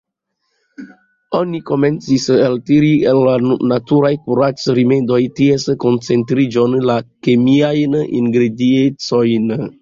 Oni komencis eltiri el la naturaj kurac-rimedoj ties koncentriĝon, la kemiajn ingrediencojn.